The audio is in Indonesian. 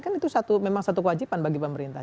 kan itu memang satu kewajiban bagi pemerintah